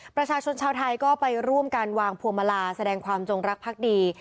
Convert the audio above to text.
ประชาชนชาวไทยก็ไปร่วมการวางพวงมาลาแสดงความจงรักพักดี